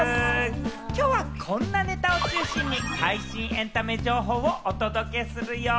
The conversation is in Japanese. きょうはこんなネタを中心に最新エンタメ情報をお届けするよ。